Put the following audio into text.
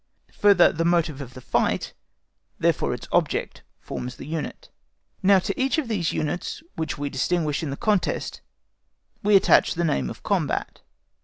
Further, the motive of the fight; therefore its object forms its unit. Now, to each of these units which we distinguish in the contest we attach the name of combat.